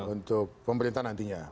untuk pemerintahan nantinya